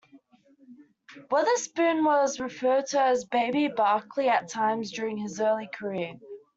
Weatherspoon was referred to as "Baby Barkley" at times during his early career.